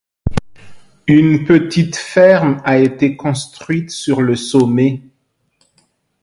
Une petite ferme a été construite sur le sommet.